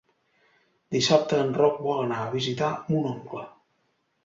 Dissabte en Roc vol anar a visitar mon oncle.